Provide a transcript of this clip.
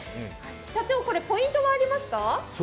社長、これポイントはありますか？